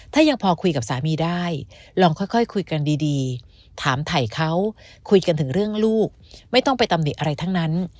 ถ้ายังพอคุยกับสามีได้ลองค่อยคุยกันดีถามถ่ายเขาคุยกันถึงเรื่องลูกไม่ต้องไปตำหนิอะไรทั้งนั้น